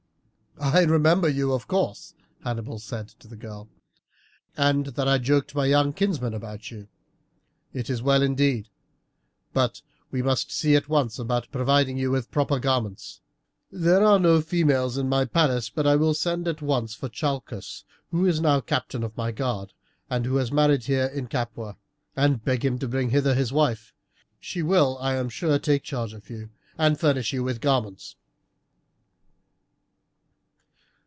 "I remember you, of course," Hannibal said to the girl, "and that I joked my young kinsman about you. This is well, indeed; but we must see at once about providing you with proper garments. There are no females in my palace, but I will send at once for Chalcus, who is now captain of my guard, and who has married here in Capua, and beg him to bring hither his wife; she will I am sure take charge of you, and furnish you with garments."